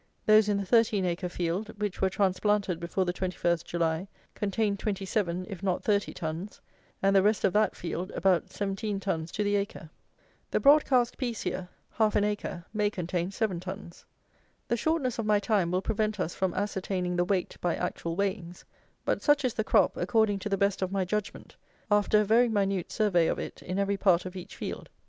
Those in the thirteen acre field which were transplanted before the 21st July, contain 27 if not 30 tons; and the rest of that field about 17 tons to the acre. The broad cast piece here (half an acre) may contain 7 tons. The shortness of my time will prevent us from ascertaining the weight by actual weighings; but such is the crop, according to the best of my judgment, after a very minute survey of it in every part of each field.